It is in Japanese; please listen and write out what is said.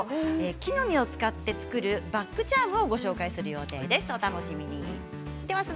木の実を使って作るバッグチャームをご紹介する予定です。